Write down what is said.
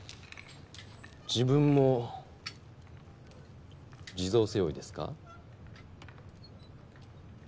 自分も地蔵背負いですか？